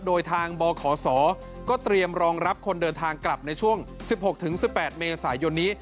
โดยทางบขศก็เตรียมรองรับคนเดินทางกลับในช่วง๑๖๑๘เมษายนนี้